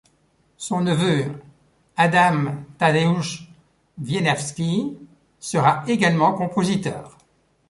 Son neveu Adam Tadeusz Wieniawski sera également compositeur.